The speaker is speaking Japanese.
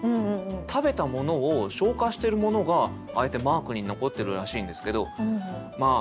食べたものを消化しているものがああやってマークに残っているらしいんですけどまあ